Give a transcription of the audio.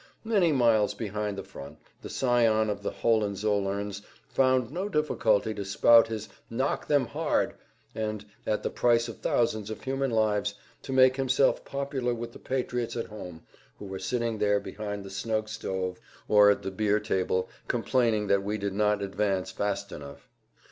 Many miles behind the front the scion of the Hohenzollerns found no difficulty to spout his "knock them hard!" and, at the price of thousands of human lives, to make himself popular with the patriots at home who were sitting there behind the snug stove or at the beer table complaining that we did not advance fast enough.